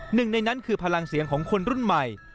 หนึ่งในนั้นคือพลังเสียงของคนรุ่นใหม่